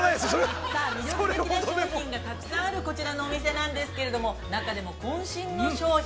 魅力的な商品がたくさんあるこちらのお店なんですけれども、中でも、こん身の商品。